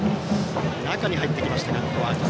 中に入ってきましたが。